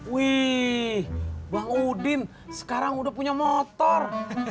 wih bang udin sekarang udah punya motor